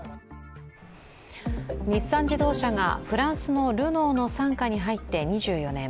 日産自動車がフランスのルノーの傘下に入って２４年。